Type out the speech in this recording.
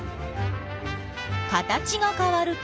形がかわると？